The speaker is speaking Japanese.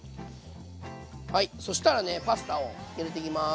はいそしたらねパスタを入れていきます。